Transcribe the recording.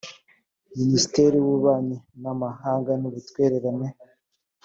minisitiri w’ububanyi n’amahanga n’ubutwererane